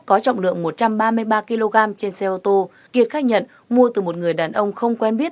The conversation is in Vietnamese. có trọng lượng một trăm ba mươi ba kg trên xe ô tô kiệt khai nhận mua từ một người đàn ông không quen biết